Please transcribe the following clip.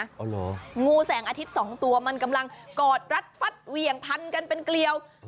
เหรองูแสงอาทิตย์สองตัวมันกำลังกอดรัดฟัดเหวี่ยงพันกันเป็นเกลียว